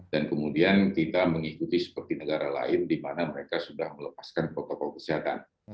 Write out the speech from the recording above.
kemudian kita mengikuti seperti negara lain di mana mereka sudah melepaskan protokol kesehatan